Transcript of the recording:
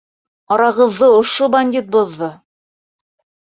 Арағыҙҙы ошо бандит боҙҙо!